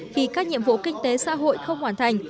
khi các nhiệm vụ kinh tế xã hội không hoàn thành